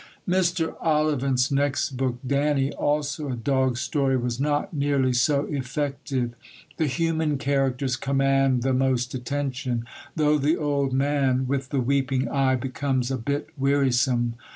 Mr. Ollivant's next book, Danny, also a dog story, was not nearly so effective. The human characters command the most attention, though the old man with the weeping eye becomes a bit wearisome.